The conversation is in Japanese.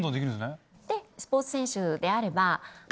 スポーツ選手であれば。